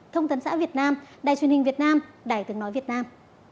thông tấn xã việt nam đài truyền hình việt nam đài tiếng nói việt nam